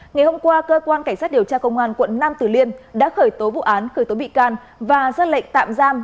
ngày hôm qua cơ quan cảnh sát điều tra công an quận năm tử liên đã khởi tố vụ án khởi tố bị can và giác lệnh tạm giam